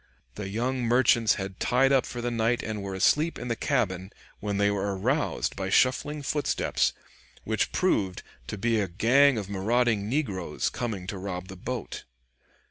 The young merchants had tied up for the night and were asleep in the cabin, when they were aroused by shuffling footsteps, which proved to be a gang of marauding negroes, coming to rob the boat.